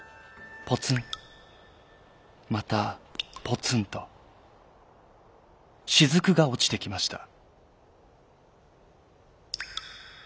ポツンまたポツンとしずくがおちてきました。